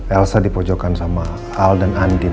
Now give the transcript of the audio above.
elsa dipojokkan sama al dan andin